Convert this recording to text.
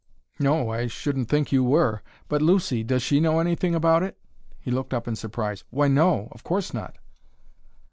"No; I shouldn't think you were. But Lucy does she know anything about it?" He looked up in surprise. "Why, no; of course not."